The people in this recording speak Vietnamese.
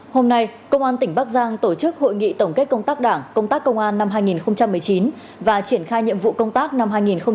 hôm nay công an tỉnh bắc giang tổ chức hội nghị tổng kết công tác đảng công tác công an năm hai nghìn một mươi chín và triển khai nhiệm vụ công tác năm hai nghìn hai mươi